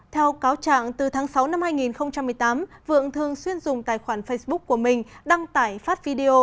theo cáo trạng từ tháng sáu năm hai nghìn một mươi tám vượng thường xuyên dùng tài khoản facebook của mình đăng tải phát video